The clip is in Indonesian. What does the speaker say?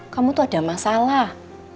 kamu tuh ada masalah